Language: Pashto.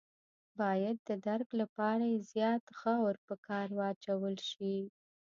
باید د درک لپاره یې زیات غور په کار واچول شي.